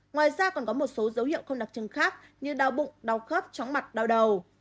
ngoài ra còn có một số dấu hiệu không đặc trưng khác như đau bụng đau khớp chóng mặt đau đầu